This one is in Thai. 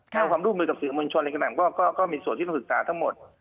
ถ้าความรู้มือกับสื่อมวลชนก็มีส่วนที่ต้องศึกษาทั้งหมด